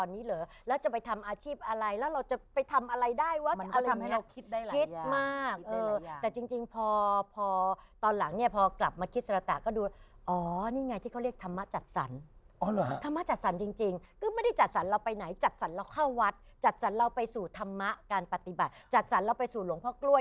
นี้เหรอแล้วจะไปทำอาชีพอะไรแล้วเราจะไปทำอะไรได้วะคิดมากเออแต่จริงพอพอตอนหลังเนี่ยพอกลับมาคิดสรตะก็ดูอ๋อนี่ไงที่เขาเรียกธรรมะจัดสรรธรรมจัดสรรจริงก็ไม่ได้จัดสรรเราไปไหนจัดสรรเราเข้าวัดจัดสรรเราไปสู่ธรรมะการปฏิบัติจัดสรรเราไปสู่หลวงพ่อกล้วย